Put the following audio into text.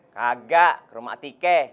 kagak ke rumah tike